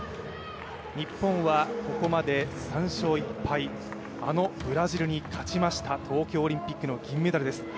日本はここまで３勝１敗、あのブラジルに勝ちました、東京オリンピックの銀メダルです。